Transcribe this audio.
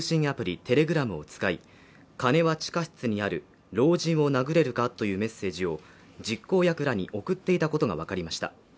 Ｔｅｌｅｇｒａｍを使い金は地下室にある老人を殴れるかというメッセージを実行役らに送っていたことが分かりました